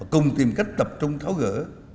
cùng tìm cách tập trung tháo gỡ